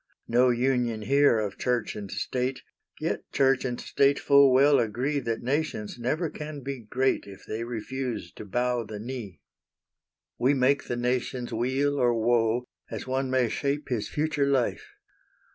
No union here of Church and State, Yet Church and State full well agree That nations never can be great If they refuse to bow the knee. We make the nation's weal or woe, As one may shape his future life.